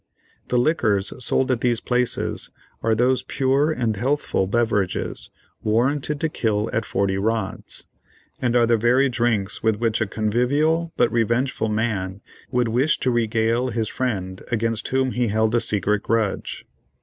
The liquors sold at these places are those pure and healthful beverages, "warranted to kill at forty rods," and are the very drinks with which a convivial, but revengeful man, would wish to regale his friend against whom he held a secret grudge.